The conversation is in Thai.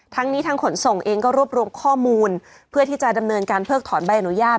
ทั้งนี้ทางขนส่งเองก็รวบรวมข้อมูลเพื่อที่จะดำเนินการเพิกถอนใบอนุญาต